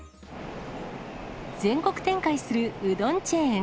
全国展開するうどんチェーン。